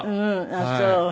あっそう。